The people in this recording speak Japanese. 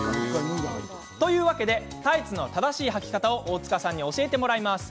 というわけでタイツの正しいはき方を大塚さんに教えてもらいます。